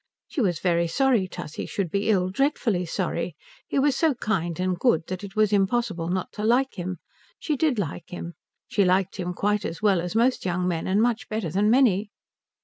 She was very sorry Tussie should be ill, dreadfully sorry. He was so kind and good that it was impossible not to like him. She did like him. She liked him quite as well as most young men and much better than many.